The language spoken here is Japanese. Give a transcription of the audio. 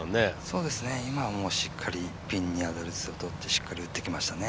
今はもうしっかりピンにアドレスをとってしっかり打ってきましたね。